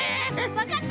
わかった！